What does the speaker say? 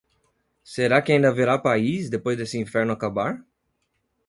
Será que ainda haverá país depois desse inferno acabar?